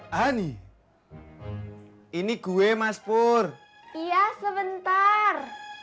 hai ini gue mas pur ia sebentar